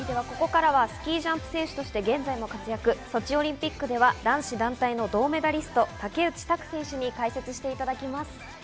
ここからはスキージャンプ選手として現在も活躍、ソチオリンピックでは男子団体の銅メダリスト、竹内択選手に解説していただきます。